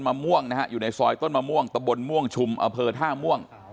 มะม่วงนะฮะอยู่ในซอยต้นมะม่วงตะบนม่วงชุมอำเภอท่าม่วง